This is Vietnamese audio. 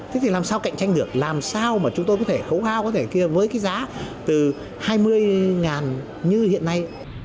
thế thì làm sao cạnh tranh được làm sao mà chúng tôi có thể khấu hao với giá từ hai mươi như hiện nay